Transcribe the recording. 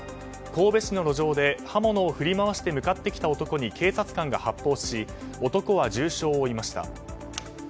神戸市の路上で刃物を振り回して向かってきた男に警察官が発砲し男は重傷を負いました。